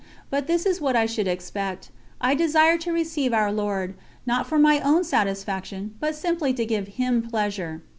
But this is what I should expect. I desire to receive Our Lord, not for my own satisfaction, but simply to give Him pleasure.